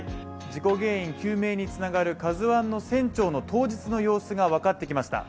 事故原因究明につながる「ＫＡＺＵⅠ」の船長の当日の様子が分かってきました。